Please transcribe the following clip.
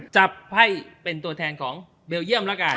จับให้เป็นตัวแทนของเบลเยี่ยมแล้วกัน